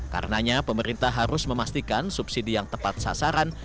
karenanya pemerintah harus memastikan subsidi yang tepat sasaran